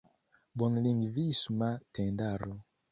bonlingvisma tendaro.